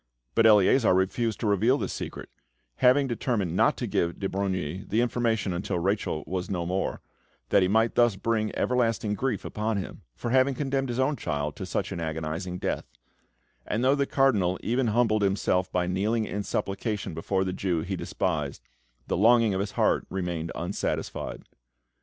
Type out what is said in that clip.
But Eleazar refused to reveal the secret, having determined not to give de Brogni the information until Rachel was no more, that he might thus bring everlasting grief upon him for having condemned his own child to such an agonising death; and though the Cardinal even humbled himself by kneeling in supplication before the Jew he despised, the longing of his heart remained unsatisfied.